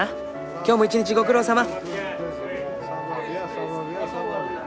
今日も一日ご苦労さま。